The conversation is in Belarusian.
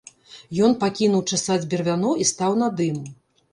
Ён пакінуў часаць бервяно і стаў над ім.